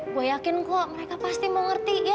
gue yakin kok mereka pasti mau ngerti